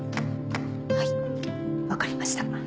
はい分かりました。